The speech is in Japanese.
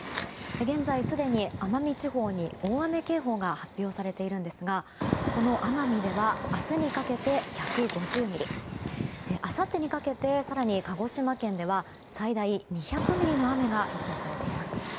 現在、すでに奄美地方に大雨警報が発表されているんですがこの奄美では明日にかけて１５０ミリあさってにかけて更に鹿児島県では最大２００ミリの雨が予想されています。